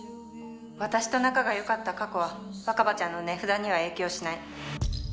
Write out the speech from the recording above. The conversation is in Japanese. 私と仲が良かった過去は若葉ちゃんの値札には影響しない。